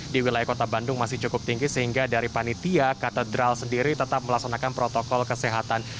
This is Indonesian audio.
di wilayah kota bandung masih cukup tinggi sehingga dari panitia katedral sendiri tetap melaksanakan protokol kesehatan